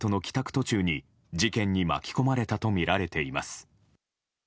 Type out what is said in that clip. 途中に事件に巻き込まれたとみられています。